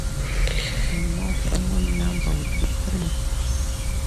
A more common number would be three.